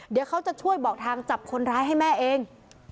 เดี๋ยวเขาจะช่วยบอกทางจับคนร้ายให้แม่เอง